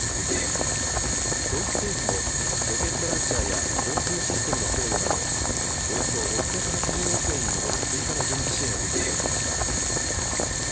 ドイツ政府もロケットランチャーや防空システムの供与など、およそ６８０億円に上る追加の軍事支援を発表しました。